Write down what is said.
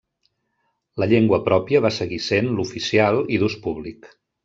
La llengua pròpia va seguir sent l'oficial i d'ús públic.